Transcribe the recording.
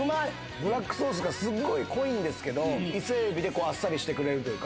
ブラックソースがすごい濃いんですけど、伊勢エビでこう、あっさりしてくれるというか。